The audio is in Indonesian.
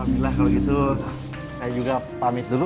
bila kalau gitu saya juga pamit dulu